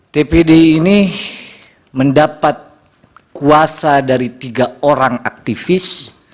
tpd ini mendapat kuasa dari tiga orang aktivis